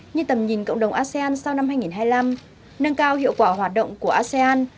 như tầm nhìn cộng đồng asean sau năm hai nghìn hai mươi năm nâng cao hiệu quả hoạt động của asean